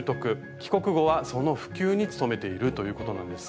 帰国後はその普及に努めているということなんですが。